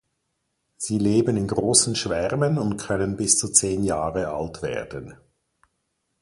Sie leben in großen Schwärmen und können bis zu zehn Jahre alt werden.